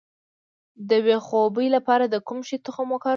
د بې خوبۍ لپاره د کوم شي تخم وکاروم؟